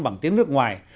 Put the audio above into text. bằng tiếng nước ngoài